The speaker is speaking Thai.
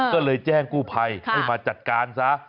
ก็เลยแจ้งกู้ภัยให้มาจัดการซะ